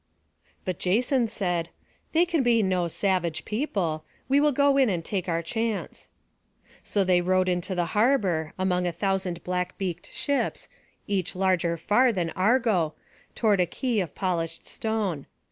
But Jason said: "They can be no savage people. We will go in and take our chance." So they rowed into the harbour, among a thousand black beaked ships, each larger far than Argo, toward a quay of polished stone.